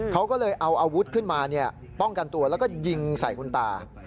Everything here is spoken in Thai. เขาก็เลยเอาอาวุธขึ้นมาป้องกันตัวแล้วก็ยิงใส่คุณตา